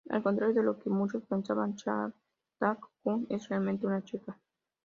Al contrario de lo que muchos pensaban, Shantak-kun es realmente una chica.